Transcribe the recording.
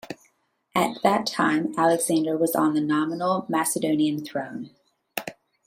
At that time, Alexander was on the nominal Macedonian throne.